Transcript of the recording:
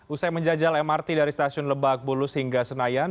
usai menjajal mrt dari stasiun lebak bulus hingga senayan